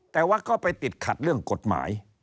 แต่ว่าก็ไปติดขัดเรื่องกฎหมาย